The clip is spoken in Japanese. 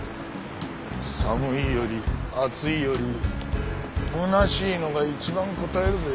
寒いより暑いより空しいのが一番こたえるぜ。